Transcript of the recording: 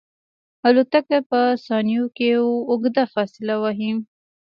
الوتکه په ثانیو کې اوږده فاصله وهي.